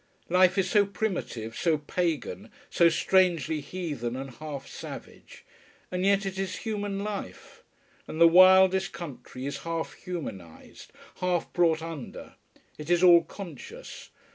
Life is so primitive, so pagan, so strangely heathen and half savage. And yet it is human life. And the wildest country is half humanized, half brought under. It is all conscious.